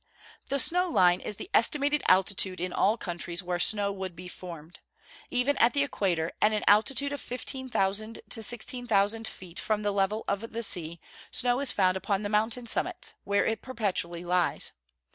_ The snow line is the estimated altitude in all countries where snow would be formed. Even at the equator, at an altitude of 15,000 to 16,000 feet from the level of the sea, snow is found upon the mountain summits, where it perpetually lies.